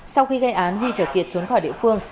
sau khi gây án huy trở kiệt trốn khỏi địa phương